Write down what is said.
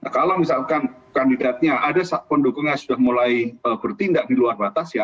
kalau misalkan kandidatnya ada pendukungnya sudah mulai bertindak di luar batas ya